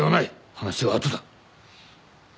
話は後だ。